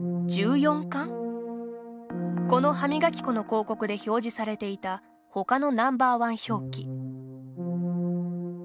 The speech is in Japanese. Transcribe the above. この歯磨き粉の広告で表示されていたほかのＮｏ．１表記。